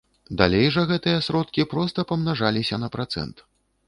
Далей жа гэтыя сродкі проста памнажаліся на працэнт.